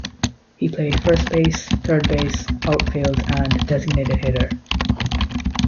He played first base, third base, outfield and designated hitter.